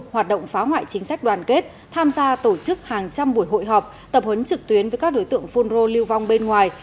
hoạt động phá hoại chính sách đoàn kết tham gia tổ chức hàng trăm buổi hội họp tập huấn trực tuyến với các đối tượng phun rô lưu vong bên ngoài